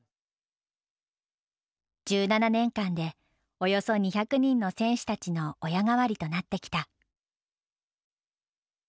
１７年間でおよそ２００人の選手たちの親代わりとなってきた。